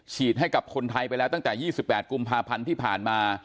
ฉีดให้กับคนไทยไปแล้วตั้งแต่ยี่สิบแปดกุมภาพันธ์ที่ผ่านมา